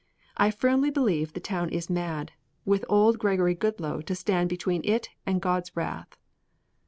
I firmly believe the town is mad, with only Gregory Goodloe to stand between it and God's wrath."